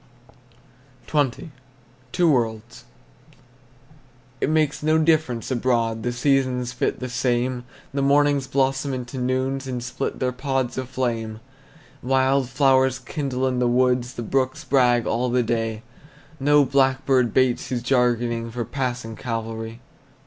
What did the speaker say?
XX. TWO WORLDS. It makes no difference abroad, The seasons fit the same, The mornings blossom into noons, And split their pods of flame. Wild flowers kindle in the woods, The brooks brag all the day; No blackbird bates his jargoning For passing Calvary.